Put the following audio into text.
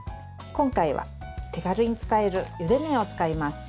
今回は、手軽に使えるゆで麺を使います。